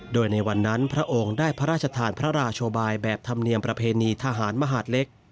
โดยในวันนั้นพระองค์ได้พระราชทานพระราชบายแบบธรรมเนียมประเพณีทหารมหาดเล็ก